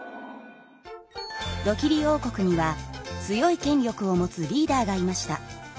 ドキリ王国には強い権力を持つリーダーがいました。